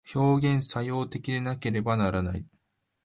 表現作用的でなければならない。